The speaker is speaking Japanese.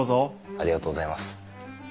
ありがとうございます。